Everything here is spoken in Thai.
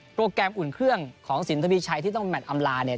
แกรมอุ่นเครื่องของสินทวีชัยที่ต้องแมทอำลาเนี่ย